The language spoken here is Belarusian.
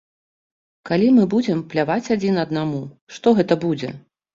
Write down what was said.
Калі мы будзем пляваць адзін аднаму, што гэта будзе.